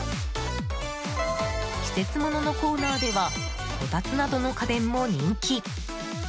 季節もののコーナーではこたつなどの家電も人気！